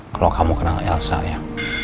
kalau kamu kenal elsa ya